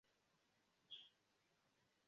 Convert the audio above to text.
Ankaŭ la publika ordo ne pliboniĝis.